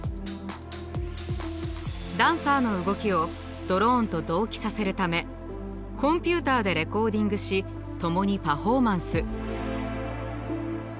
ダンサーの動きをドローンと同期させるためコンピューターでレコーディングし共にパフォーマンス。